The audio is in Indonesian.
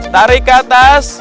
tarik ke atas